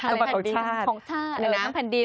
สมบัติของชาติ